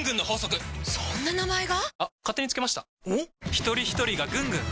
ひとりひとりがぐんぐん！